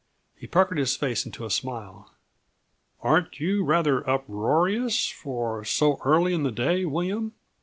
He puckered his face into a smile. "Aren't you rather uproarious for so early in the day, William?